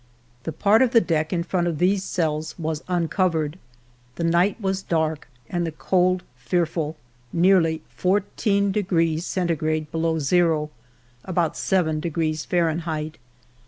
The part of the deck in front of these cells was uncovered. The night was dark and the cold fearful, nearly fourteen degrees Centigrade below ALFRED DREYFUS 97 zero (about seven degrees, Fahrenheit).